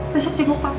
besok jenggok papa